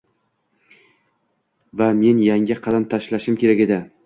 va men yangi qadam tashlashim kerak edi.